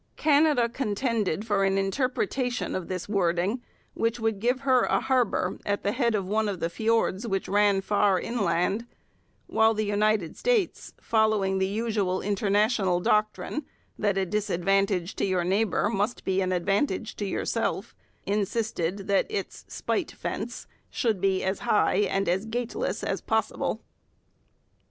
Canada contended for an interpretation of this wording which would give her a harbour at the head of one of the fiords which ran far inland, while the United States, following the usual international doctrine that a disadvantage to your neighbour must be an advantage to yourself, insisted that its spite fence should be as high and as gateless as possible.